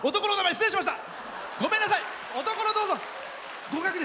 失礼しました！